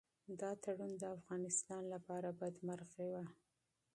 دا تړون د افغانستان لپاره بدمرغي وه.